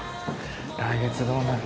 来月どうなる。